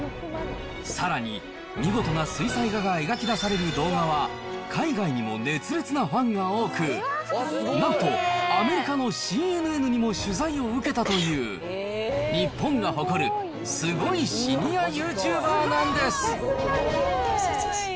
さらに見事な水彩画が描き出される動画は、海外にも熱烈なファンが多く、なんとアメリカのＣＮＮにも取材を受けたという、日本が誇るすごいシニアユーチューバーなんです。